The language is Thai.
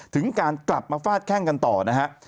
ถึงการกลับมาฟาดแข้งกันต่อนะฮะ